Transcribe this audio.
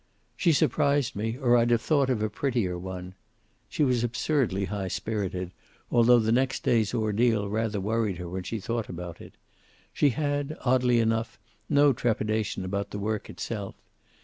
"She surprised me, or I'd have thought of a prettier one." She was absurdly high spirited, although the next day's ordeal rather worried her when she thought about it. She had, oddly enough, no trepidation about the work itself.